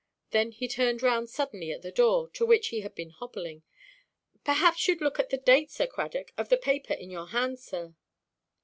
Then he turned round suddenly at the door, to which he had been hobbling. "Perhaps youʼd look at the date, Sir Cradock, of the paper in your hand, sir."